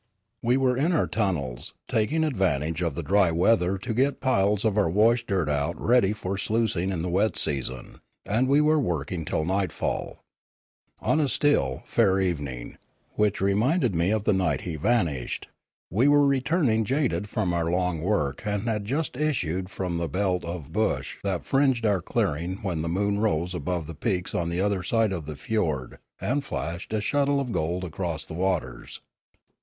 We were in our tunnels, taking advantage of the dry weather to get piles of our wash dirt out ready for sluic ing in the wet season, and were working till nightfall. On a still, fair evening, which reminded me of the night he vanished, we were returning jaded from our long work and had just issued from the belt of bush that fringed our clearing when the moon rose above the peaks on the other side of the fiord and flashed a shuttle of gold across the waters.